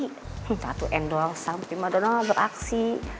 satu endorse sampai madona beraksi